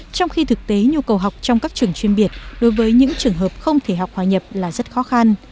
trong khi thực tế nhu cầu học trong các trường chuyên biệt đối với những trường hợp không thể học hòa nhập là rất khó khăn